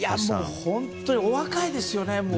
本当にお若いですよね。